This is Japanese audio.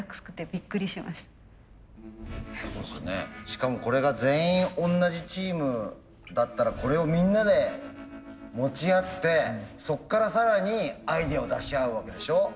しかもこれが全員同じチームだったらこれをみんなで持ち合ってそっから更にアイデアを出し合うわけでしょ。